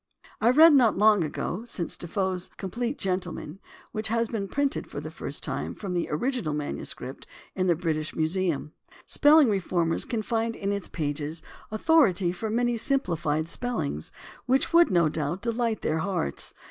I read not long since Defoe's Compleat Gentleman, which has been printed for the first time from the original manuscript in the British Museum. Spelling reformers can find in its pages authority for many 272 THE ORIGIN OF CERTAIN AMERICANISMS simplified spellings which would no doubt delight their hearts.